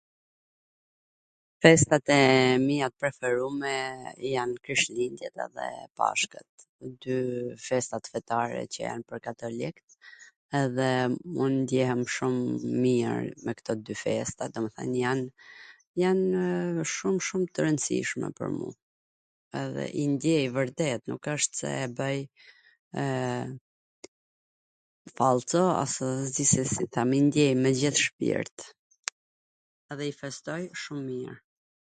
Festat e mia t preferume jan Krishtlindjet edhe Pashkwt, dy festat fetare qw jan pwr katolikt edhe un ndjehem shum mir me kto dy festa, domethwn jan janw shum shum tw rwndsishme pwr mu edhe i ndjej vwrtet nuk esht se e bwj fallco a s di si ta them, i ndjej me gjith shpirt edhe i festoj shum mir.